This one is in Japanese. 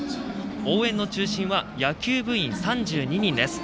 応援の中心は野球部員３２人です。